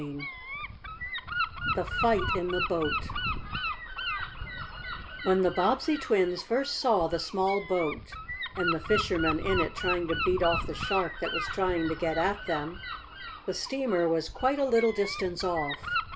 CHAPTER VIII THE FIGHT IN THE BOAT When the Bobbsey twins first saw the small boat, and the fishermen in it trying to beat off the shark that was trying to get at them, the steamer was quite a little distance off.